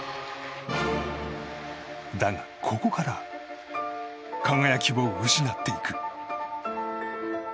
だが、ここから輝きを失っていく。